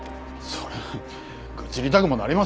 それは愚痴りたくもなりますよ。